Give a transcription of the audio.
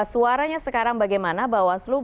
suaranya sekarang bagaimana bawaslu